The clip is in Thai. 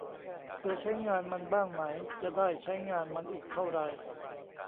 เคยใช้งานมันบ้างไหม จะได้ใช้งานมันอีกเท่าไร